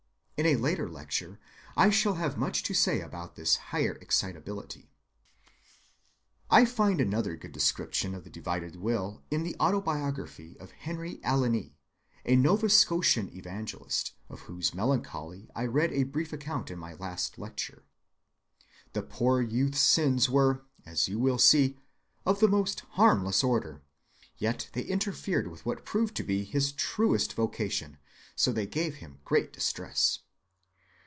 In a later lecture we shall have much to say about this higher excitability. ‐‐‐‐‐‐‐‐‐‐‐‐‐‐‐‐‐‐‐‐‐‐‐‐‐‐‐‐‐‐‐‐‐‐‐‐‐ I find another good description of the divided will in the autobiography of Henry Alline, the Nova Scotian evangelist, of whose melancholy I read a brief account in my last lecture. The poor youth's sins were, as you will see, of the most harmless order, yet they interfered with what proved to be his truest vocation, so they gave him great distress.